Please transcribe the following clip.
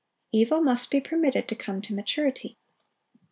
Evil must be permitted to come to maturity.